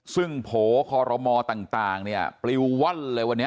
ซึ่งโผล่คอรมอต่างเนี่ยปลิวว่อนเลยวันนี้